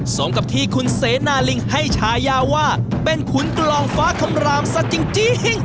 สมกับที่คุณเสนาลิงให้ฉายาว่าเป็นขุนกลองฟ้าคำรามซะจริง